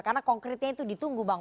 karena konkretnya itu ditunggu bang